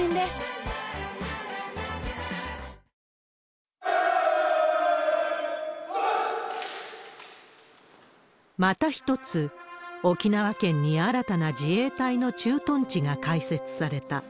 「ポリグリップ」また一つ、沖縄県に新たな自衛隊の駐屯地が開設された。